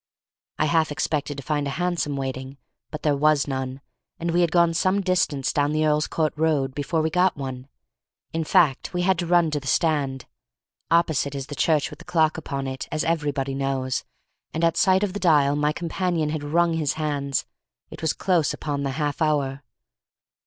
I half expected to find a hansom waiting, but there was none, and we had gone some distance down the Earl's Court Road before we got one; in fact, we had to run to the stand. Opposite is the church with the clock upon it, as everybody knows, and at sight of the dial my companion had wrung his hands; it was close upon the half hour.